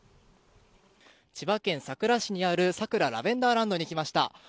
千葉県佐倉市にある佐倉ラベンダーランドに来ました。